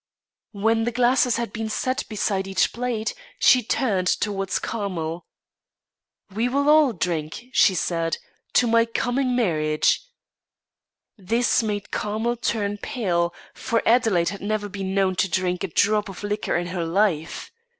When the glasses had been set beside each plate, she turned towards Carmel. 'We will all drink,' she said, 'to my coming marriage,' This made Carmel turn pale; for Adelaide had never been known to drink a drop of liquor in her life.